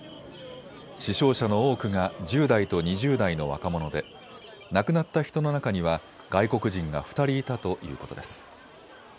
死傷者の多くが１０代と２０代の若者で亡くなった人の中には外国人が２人いたということです。